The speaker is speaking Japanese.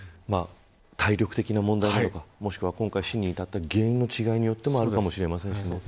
体力的な問題なのかもしくは今回死に至った原因の違いによってあるかもしれません。